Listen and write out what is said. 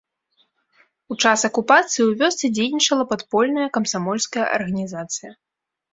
У час акупацыі ў вёсцы дзейнічала падпольная камсамольская арганізацыя.